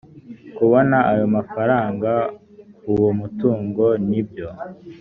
kubona ayo mafaranga uwo mutungo n ibyo